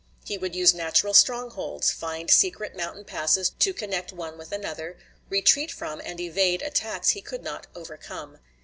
He would use natural strongholds; find secret mountain passes to connect one with another; retreat from and evade attacks he could not overcome.